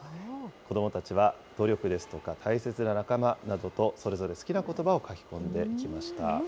子どもたちは努力ですとか、大切な仲間などと、それぞれ好きなことばを書き込んでいきました。